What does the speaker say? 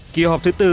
kỳ họp thứ bốn